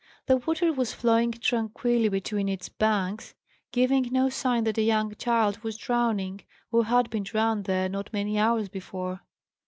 The water was flowing tranquilly between its banks, giving no sign that a young child was drowning, or had been drowned there not many hours before.